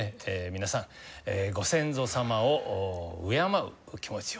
皆さんご先祖様を敬う気持ちを。